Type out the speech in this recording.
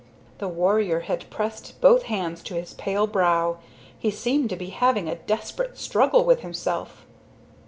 The warrior had pressed both hands to his pale brow. He seemed to be having a desperate struggle with himself.